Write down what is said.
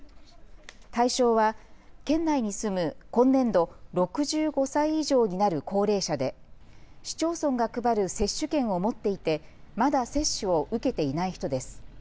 対象は県内に住む今年度６５歳以上になる高齢者で市町村が配る接種券を持っていてまだ接種を受けていない人です。